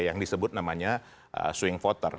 yang disebut namanya swing voter